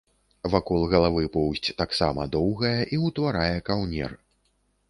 Вакол галавы поўсць таксама доўгая і ўтварае каўнер.